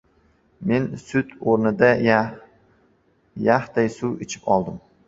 Men sut o‘rnida yaxday suv ichib oldim.